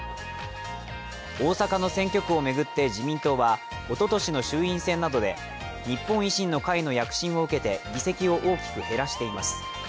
大阪の選挙区を巡って自民党はおととしの衆院選などで日本維新の会の躍進を受けて議席を大きく減らしています。